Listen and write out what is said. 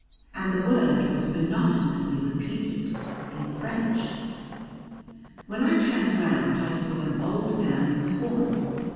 And the word was monotonously repeated, in French. When I turned round I saw an old man with a horn.